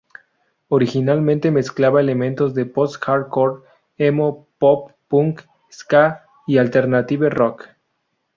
Originalmente mezclaba elementos de post-hardcore, emo, pop punk, ska y alternative rock.